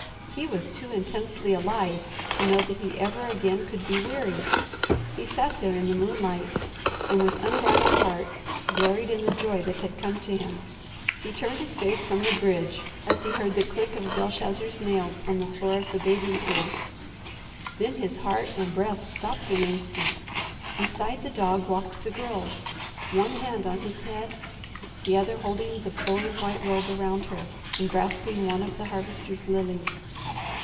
He was too intensely alive to know that he ever again could be weary. He sat there in the moonlight, and with unbridled heart gloried in the joy that had come to him. He turned his face from the bridge as he heard the click of Belshazzar's nails on the floor of the bathing pool. Then his heart and breath stopped an instant. Beside the dog walked the Girl, one hand on his head the other holding the flowing white robe around her and grasping one of the Harvester's lilies.